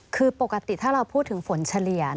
คือปกติถ้าเราพูดถึงฝนเฉลี่ย